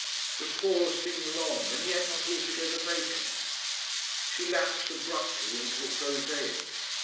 The pause seemed long and yet not altogether vacant. She lapsed abruptly into the prosaic.